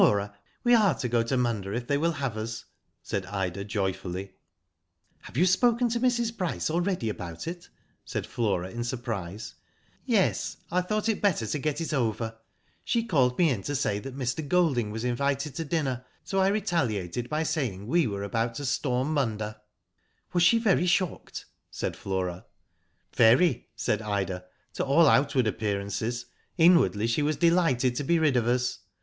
*' Flora, we are to go to Munda if they will have us," said Ida, joyfully. "Have you spoken to Mrs. Bryce already about it?" said Flora, in surprise. *'Ycs. I thought it better to get it over. She called me in to say Mr. Golding was invited to dinner, so I retaliated by saying we were about to storm Munda." Was she very shocked ?" said Flora. " Very," said Ida ;" to all outward appearances. Inwardly she was delighted to be rid of us.